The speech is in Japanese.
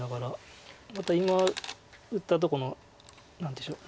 また今打ったとこの何でしょう